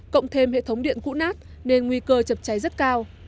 cộng thêm hệ thống điện cũ nát nên nguy cơ chập cháy rất cao